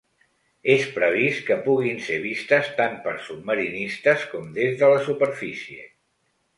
És previst que puguin ser vistes tant per submarinistes com des de la superfície.